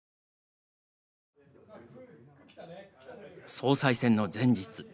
総裁選の前日。